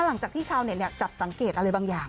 หลังจากที่ชาวเน็ตจับสังเกตอะไรบางอย่าง